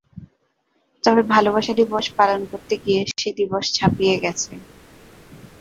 তবে ভালোবাসা দিবস পালন করতে গিয়ে সে দিবস ছাপিয়ে গেছে।